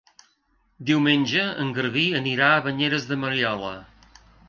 Diumenge en Garbí anirà a Banyeres de Mariola.